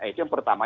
itu yang pertama